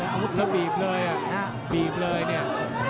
อาวุธจะบีบเลยอ่ะบีบเลยเนี่ย